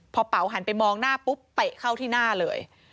พอเป๋าหันไปมองหน้าปุ๊บเตะเข้าที่หน้าเลย